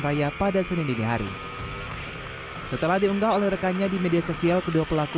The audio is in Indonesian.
raya pada senin dinihari setelah diunggah oleh rekannya di media sosial kedua pelaku